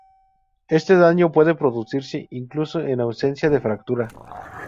Este daño puede producirse incluso en ausencia de fractura.